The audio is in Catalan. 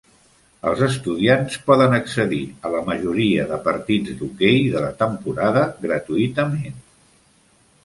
Els estudiants poden accedir a la majoria de partits d'hoquei de la temporada gratuïtament.